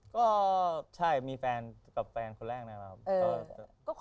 ก็จะมีแฟนคนแรกนะครับ